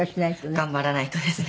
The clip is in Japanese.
頑張らないとですね。